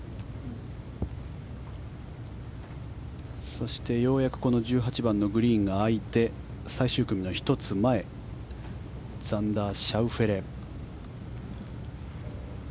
そしてようやくこの１８番のグリーンが空いて最終組の１つ前ザンダー・シャウフェレ。